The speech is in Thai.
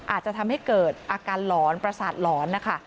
อาจจะทำให้เกิดอาการหลอนประสาทหลอนนะคะ